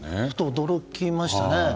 驚きましたね。